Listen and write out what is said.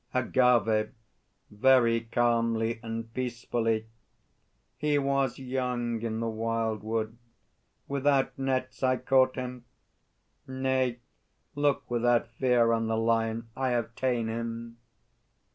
AGAVE (very calmly and peacefully). He was young in the wildwood: Without nets I caught him! Nay; look without fear on The Lion; I have ta'en him!